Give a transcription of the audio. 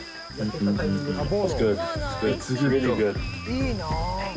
いいな！